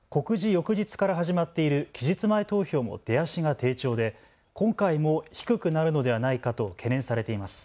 翌日から始まっている期日前投票も出足が低調で今回も低くなるのではないかと懸念されています。